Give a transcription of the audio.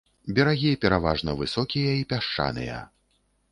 Берагі пераважна высокія і пясчаныя.